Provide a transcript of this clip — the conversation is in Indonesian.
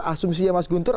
asumsinya mas guntur